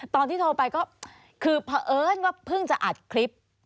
ตอนที่โทรไปก็คือเพราะเอิญว่าเพิ่งจะอัดคลิป